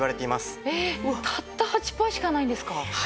えったった８パーしかないんですか？